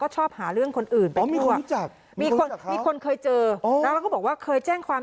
แต่หนูว่าหลบทัน